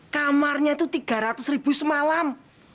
kamarnya itu tiga ratus ribu semalam